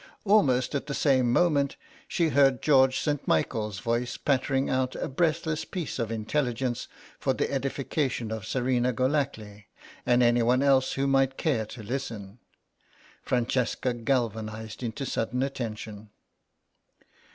Almost at the same moment she heard George St. Michael's voice pattering out a breathless piece of intelligence for the edification of Serena Golackly and anyone else who might care to listen. Francesca galvanised into sudden attention.